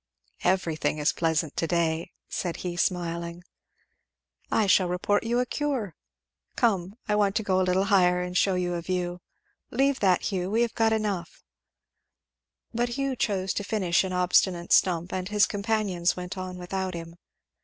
"Everything is pleasant to day," said he smiling. "I shall report you a cure. Come, I want to go a little higher and shew you a view. Leave that, Hugh, we have got enough " But Hugh chose to finish an obstinate stump, and his companions went on without him.